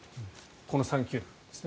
この３球団ですね。